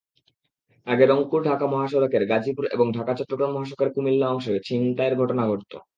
আগে রংপুর-ঢাকা মহাসড়কের গাজীপুর এবং ঢাকা-চট্টগ্রাম মহাসড়কের কুমিল্লার অংশে ছিনতাইয়ের ঘটনা ঘটত।